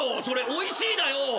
それ「おいしい」だよ。